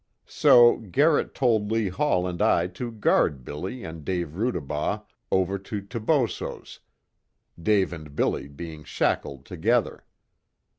So Garrett told Lee Hall and I to guard 'Billy' and Dave Rudebough over to Toboso's, Dave and 'Billy' being shackled together.